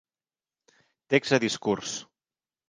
Text a discurs.